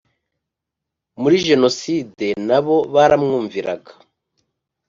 muri jenoside na bo baramwumviraga